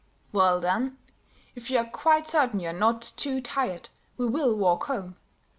"Well, then, if you are quite certain you are not too tired, we will walk home.